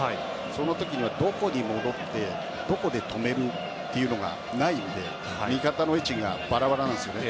その時、どこに戻ってどこで止めるというのがないので味方の位置がバラバラなんですよね。